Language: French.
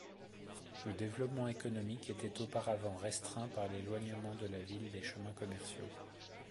Le développement économique était auparavant restreint par l’éloignement de la ville des chemins commerciaux.